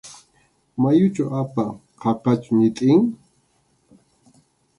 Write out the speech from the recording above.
¿Mayuchu apan?, ¿qaqachu ñitin?